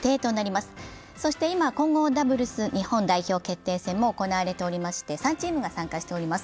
そして今、混合ダブルス日本代表決定戦も行われていまして３チームが参加しております。